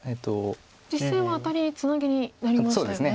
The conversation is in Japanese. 実戦はアタリにツナギになりましたよね。